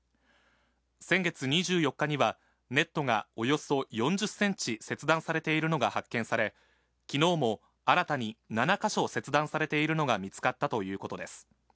先月２４日には、ネットがおよそ４０センチ切断されているのが発見され、きのうも新たに７か所切断されているのが見つかったということです。